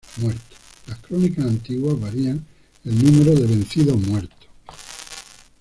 Las crónicas antiguas varían el número de vencidos muertos.